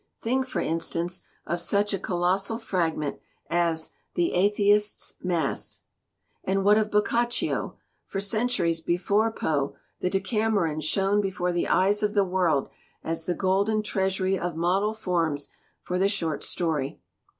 Think, for instance, of such a colossal fragment as The Atheist's Mass. "And what of Boccaccio? For centuries before Poe, the Decameron shone before the eyes of the world as the golden treasury of model forms for the short story.